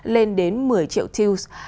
lên đến một mươi triệu teals